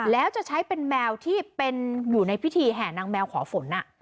แล้วจะใช้เป็นแมวที่เป็นอยู่ในพิธีแห่นางแมวขอฝน